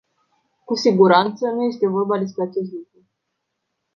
Cu siguranță, nu este vorba despre acest lucru.